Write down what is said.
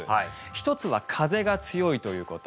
１つは風が強いということ。